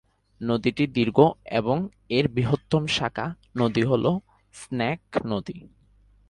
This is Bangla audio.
নদীটি দীর্ঘ এবং এর বৃহত্তম শাখা নদী হ'ল স্নেক নদী।